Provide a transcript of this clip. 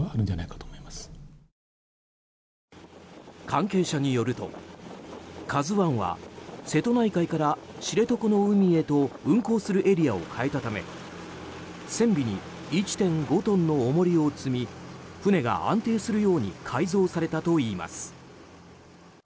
関係者によると「ＫＡＺＵ１」は瀬戸内海から知床の海へと運航するエリアを変えたため船尾に１．５トンの重りを積み船が安定するように改造されたといいます。